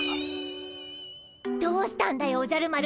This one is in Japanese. どうしたんだよおじゃる丸。